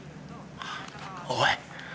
おい！